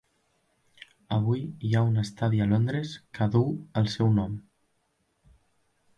Avui hi ha un estadi a Londres que duu el seu nom.